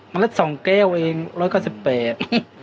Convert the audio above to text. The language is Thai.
ตั้งแต่๒เก้าเอง๑๙๘บาท